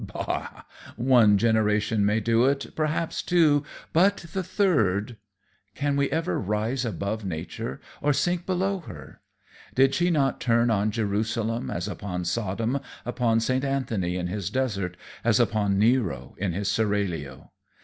Bah! One generation may do it, perhaps two, but the third Can we ever rise above nature or sink below her? Did she not turn on Jerusalem as upon Sodom, upon St. Anthony in his desert as upon Nero in his seraglio?